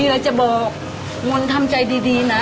คือพ่อเป็นจับกังอยู่กับรงศรีของเซียนแท้